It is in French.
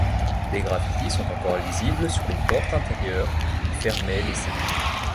Des graffitis sont encore lisibles sur les portes intérieures qui fermaient les cellules.